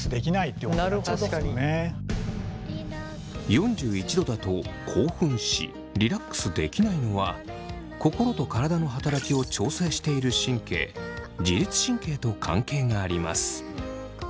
４１℃だと興奮しリラックスできないのは心と体の働きを調整している神経自律神経と関係があります。